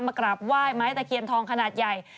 กราบไหว้ไม้ตะเคียนทองขนาดใหญ่